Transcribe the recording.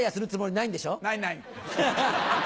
ないない。